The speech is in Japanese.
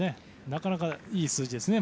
なかなかいい数字ですね。